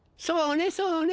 そうね